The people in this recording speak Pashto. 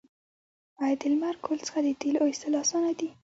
آیا د لمر ګل څخه د تیلو ایستل اسانه دي؟